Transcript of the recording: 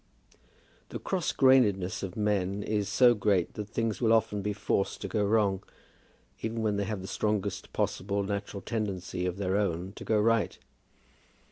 The cross grainedness of men is so great that things will often be forced to go wrong, even when they have the strongest possible natural tendency of their own to go right.